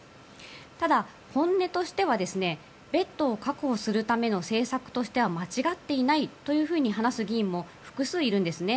ただ、本音としてはベッドを確保するための政策としては間違っていないと話す議員も複数いるんですね。